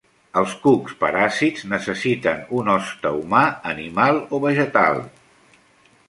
Els cucs paràsits necessiten un hoste humà, animal o vegetal.